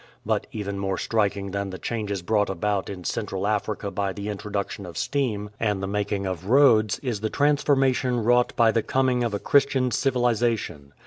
But even more striking than the changes brought about in Central Africa by the introduction of steam and the making of 134 DR. LIVINGSTONE roads is the transformation wrought by the coming of a Christian civilization.